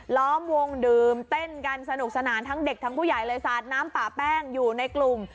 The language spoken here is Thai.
ล้อมวงดื่มเต้นกันสนุกสนานทั้งเด็กทั้งผู้ใหญ่เลยสาดน้ำป่าแป้งอยู่ในกลุ่ม